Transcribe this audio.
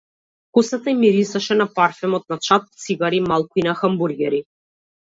Косата ѝ мирисаше на парфемот, на чад од цигари, малку и на хамбургери.